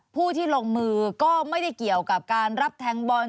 ผู้ที่ลงมือก็ไม่ได้เกี่ยวกับการรับแทงบอล